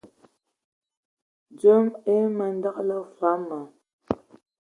Dzom e andǝgələ fɔɔ ma,